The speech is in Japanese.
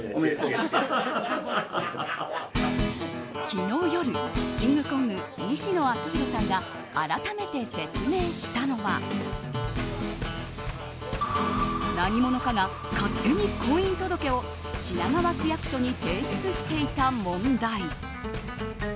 昨日夜、キングコング西野亮廣さんが改めて説明したのは何者かが勝手に、婚姻届を品川区役所に提出していた問題。